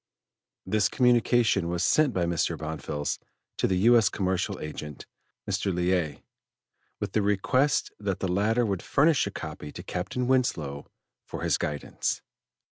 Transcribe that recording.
This communication was sent by Mr. Bonfils to the U. S. Commercial Agent, Mr. Liais, with a request that the latter would furnish a copy to Captain Winslow for his guidance.